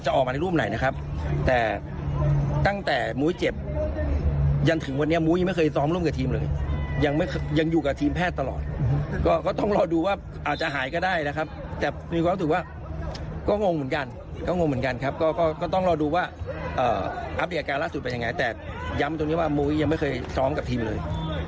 การล่าสุดเป็นยังไงแต่ย้ำตรงนี้ว่ามุ้ยยังไม่เคยพร้อมกับทีมเลย